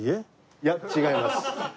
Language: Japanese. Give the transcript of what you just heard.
いや違います。